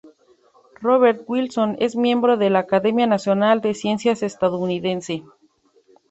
Robert Wilson es miembro de la Academia Nacional de Ciencias estadounidense.